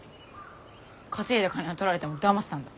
稼いだ金はとられても黙ってたんだ。